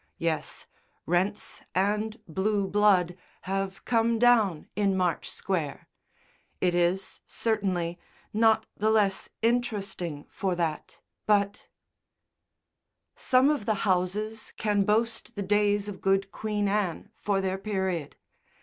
Yes, rents and blue blood have come down in March Square; it is, certainly, not the less interesting for that, but Some of the houses can boast the days of good Queen Anne for their period.